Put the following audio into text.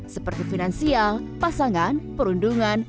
seperti finansial pasangan perundungan